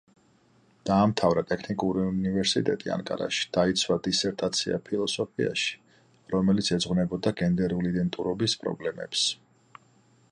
დაამთავრა ტექნიკური უნივერსიტეტი ანკარაში, დაიცვა დისერტაცია ფილოსოფიაში, რომელიც ეძღვნებოდა გენდერული იდენტურობის პრობლემებს.